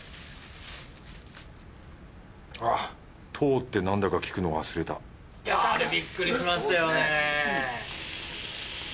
等って何だか聞くの忘れたやぁあれびっくりしましたよね。